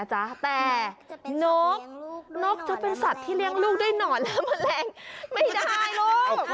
แต่นกนกจะเป็นสัตว์ที่เลี้ยงลูกด้วยหนอนและแมลงไม่ได้ลูก